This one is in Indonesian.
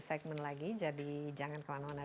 segmen lagi jadi jangan ke lana lana